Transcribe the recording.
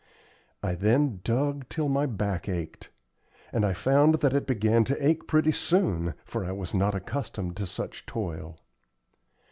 I then dug till my back ached; and I found that it began to ache pretty soon, for I was not accustomed to such toil.